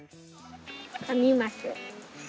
噛みます。